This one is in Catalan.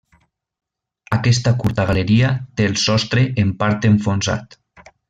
Aquesta curta galeria té el sostre en part enfonsat.